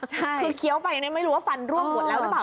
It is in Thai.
คือเคี้ยวไปไม่รู้ว่าฟันร่วงหมดแล้วหรือเปล่า